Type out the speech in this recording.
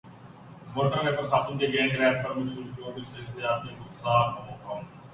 motor وے پر خاتون کے گینگ ریپ پرشوبز شخصیات میں غم غصہ